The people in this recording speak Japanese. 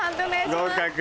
合格。